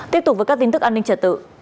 tiếp tục với các tin tức an ninh trật tự